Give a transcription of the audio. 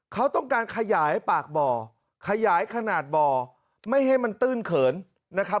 เขาต้องการขยายปากบ่อขยายขนาดบ่อไม่ให้มันตื้นเขินนะครับ